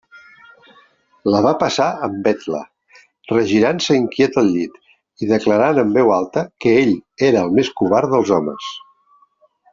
La va passar en vetla, regirant-se inquiet al llit, i declarant en veu alta que ell era el més covard dels homes.